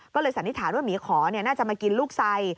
ก็เลยสันนิษฐานว่าหมีขอน่าจะมากินลูกไซ